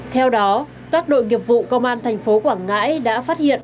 theo đó các đội nghiệp vụ công an thành phố quảng ngãi đã phát hiện